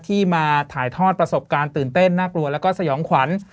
ที่มาถ่ายทอดประสบการณ์ตื่นเต้นน่ากลัวแล้วก็สยองขวัญ